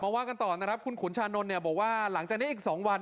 ว่ากันต่อนะครับคุณขุนชานนท์เนี่ยบอกว่าหลังจากนี้อีก๒วัน